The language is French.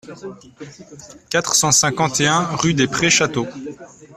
quatre cent cinquante et un rue des Prés Château